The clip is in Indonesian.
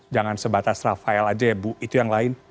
jangan sebatas rafael aja ya bu itu yang lain